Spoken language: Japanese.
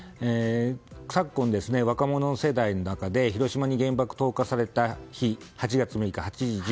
昨今、若者世代の中で広島に原爆投下された日８月６日。